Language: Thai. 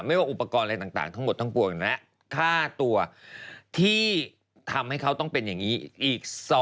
ว่าอุปกรณ์อะไรต่างทั้งหมดทั้งปวงและค่าตัวที่ทำให้เขาต้องเป็นอย่างนี้อีก